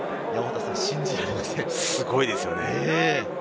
すごいですよね。